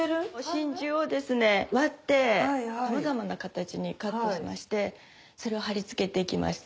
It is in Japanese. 真珠を割ってさまざまな形にカットしましてそれを貼り付けていきます。